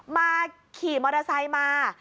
ขี่มอเตอร์ไซค์มา